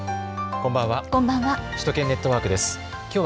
こんばんは。